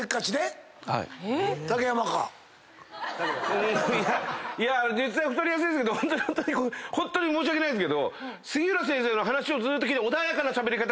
うんいや実際太りやすいですけどホントに申し訳ないですけど。